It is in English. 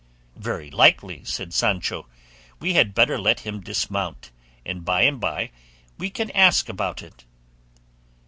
"Very likely," said Sancho; "we had better let him dismount, and by and by we can ask about it."